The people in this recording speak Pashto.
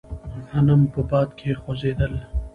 غنم په باد کې خوځېدل.